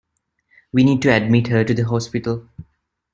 We need to admit her to the hospital.